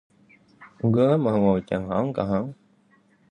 Con gái mà ngồi hả cẳng chảng hảng